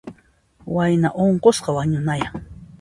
Wayna unqusqa wañunayan.